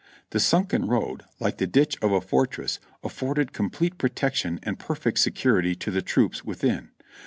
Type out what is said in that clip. The sunken road, like the ditch of a fortress, afforded complete protection and perfect security to the troops within.